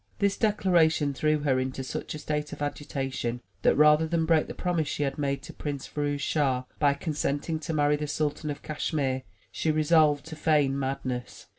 This declaration threw her into such a state of agitation that, rather than break the promise she had made to Prince Firouz Schah, by consenting to marry the Sultan of Cash mere, she resolved to feign madness.